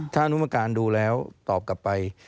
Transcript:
ถ้าอนุมการดูแล้วตอบกลับไป